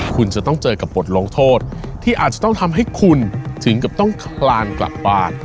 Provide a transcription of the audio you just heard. คุณจะต้องเจอกับบทลงโทษที่อาจจะต้องทำให้คุณถึงกับต้องคลานกลับบ้าน